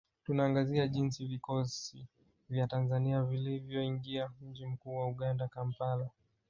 Tunaangazia jinsi vikosi vya Tanzania vilivyoingia mji mkuu wa Uganda Kampala